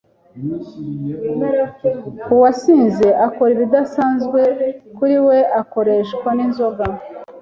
uwasinze akora ibidasanzwe kuri we akoreshwa n'inzoga.